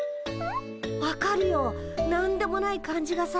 分かるよ何でもない感じがさ